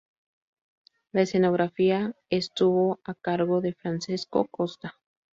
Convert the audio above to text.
La escenografía estuvo a cargo de Francesco Costa.